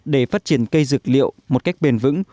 để phát triển cây dược liệu một cách bền vững